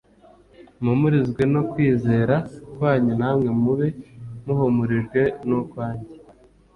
mpumurizwe no kwizera kwanyu namwe mube muhumurijwe n’ukwanjye